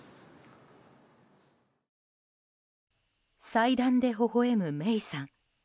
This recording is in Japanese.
祭壇でほほ笑む芽生さん。